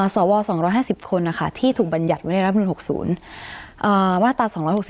สว๒๕๐คนค่ะที่ถูกบรรยัติวิเวณรัฐบาล๖๐มาตรา๒๖๙